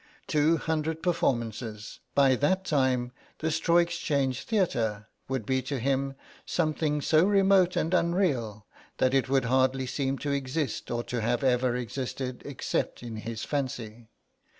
Two hundred performances; by that time the Straw Exchange Theatre would be to him something so remote and unreal that it would hardly seem to exist or to have ever existed except in his fancy.